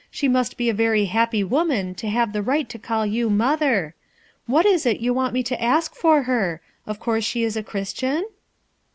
She must be a very happy Wornan to have the right to call you 'mother.' What is it you want me to ask for her? Of course she is a Christian?"